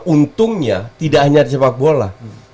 untungnya tidak hanya di sepak bola